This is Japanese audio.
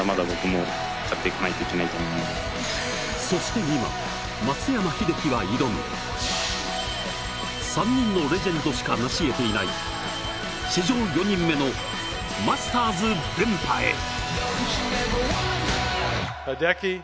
そして、今松山英樹が挑む３人のレジェンドしかなしえていない史上４人目のマスターズ連覇へ。